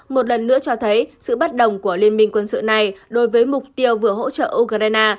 một lần nữa cho thấy sự bất đồng của liên minh quân sự này đối với mục tiêu vừa hỗ trợ ukraine